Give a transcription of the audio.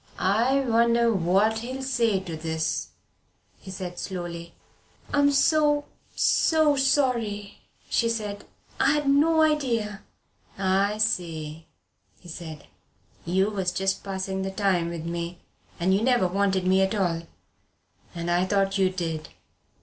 "I wonder what he'll say to this," he said slowly. "I'm so so sorry," she said; "I'd no idea " "I see," he said, "you was just passing the time with me and you never wanted me at all. And I thought you did.